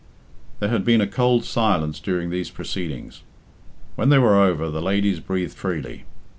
There had been a cold silence during these proceedings. When they were over, the ladies breathed freely.